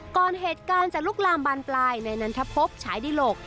ก่อนเหตุการณ์จะลุกลามบานปลายในนันทพบฉายดิหลก